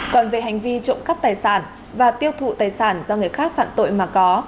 còn về hành vi trộm cắp tài sản và tiêu thụ tài sản do người khác phạm tội mà có